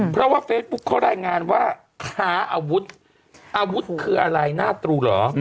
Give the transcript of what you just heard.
เพราะว่าเฟซบุ๊คเขารายงานว่าค้าอาวุธอาวุธคืออะไรหน้าตรูเหรอ